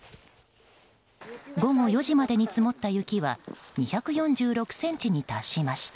午後４時までに積もった雪は２４６ｃｍに達しました。